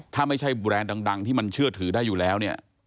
ถ้าไม่ใช่แบรนด์ดังที่มันเชื่อถือได้อยู่แล้วเนี่ย